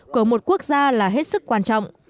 của một quốc gia là hết sức quan trọng